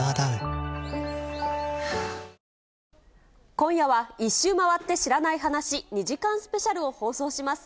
今夜は、１周回って知らない話２時間スペシャルを放送します。